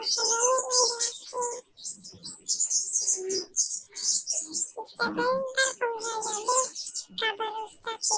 saya sudah teman dengan teman teman saya